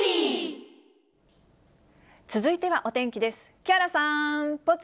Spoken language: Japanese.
続いてはお天気です。